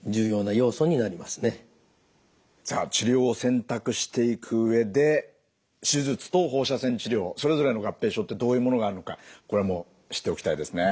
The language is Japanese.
さあ治療を選択していく上で手術と放射線治療それぞれの合併症ってどういうものがあるのかこれも知っておきたいですね。